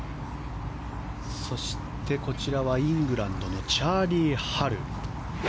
こちらはイングランドのチャーリー・ハル。